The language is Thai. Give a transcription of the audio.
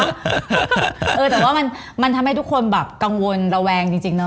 แต่ว่ามันทำให้ทุกคนแบบกังวลระแวงจริงเนาะ